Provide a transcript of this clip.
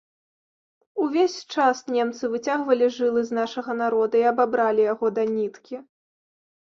Увесь час немцы выцягвалі жылы з нашага народа і абабралі яго да ніткі.